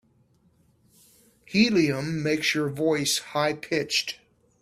Helium makes your voice high pitched.